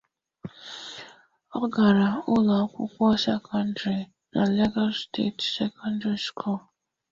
Ọ gara ụlọ akwụkwọ sekọndrị na Legọọsụ Steeti Sekọndarị Sukulu.